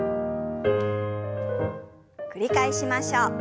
繰り返しましょう。